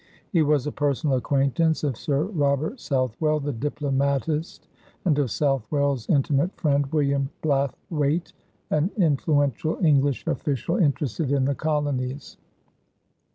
He was a personal acquaintance of Sir Robert Southwell, the diplomatist, and of Southwell's intimate friend, William Blathwayt, an influential English official interested in the colonies.